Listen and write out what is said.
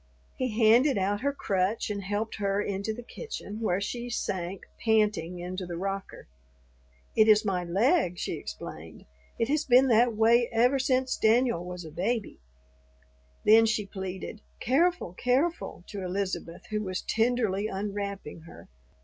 He handed out her crutch and helped her into the kitchen, where she sank, panting, into the rocker. "It is my leg," she explained; "it has been that way ever since Danyul was a baby." Then she pleaded, "Careful, careful," to Elizabeth, who was tenderly unwrapping her.